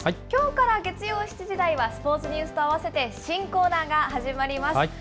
きょうから月曜７時台はスポーツニュースと併せて新コーナーが始まります。